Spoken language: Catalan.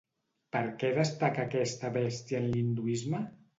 Per què destaca aquesta bèstia en l'hinduisme?